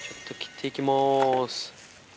ちょっと切って行きます。